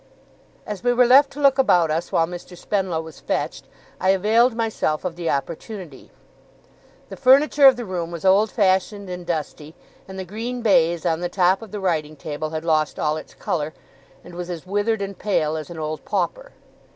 As we were left to look about us while Mr. Spenlow was fetched, I availed myself of the opportunity. The furniture of the room was old fashioned and dusty; and the green baize on the top of the writing table had lost all its colour, and was as withered and pale as an old pauper.